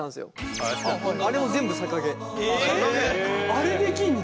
あれできんだ。